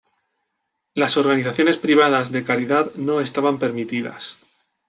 Las organizaciones privadas de caridad no estaban permitidas.